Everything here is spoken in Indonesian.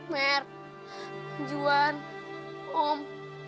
mer juan om